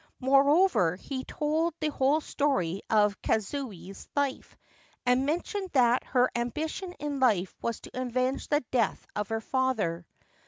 Moreover, he told the whole story of Kazuye's life, and mentioned that her ambition in life was to avenge the death of her father.